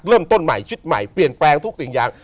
เริ่มต้นใหม่ชุดใหม่เปลี่ยนแปลงทุกสิ่งอย่าง